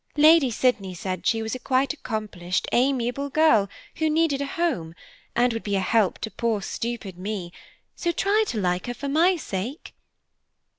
Lady Sydney said she was a quiet, accomplished, amiable girl, who needed a home, and would be a help to poor stupid me, so try to like her for my sake."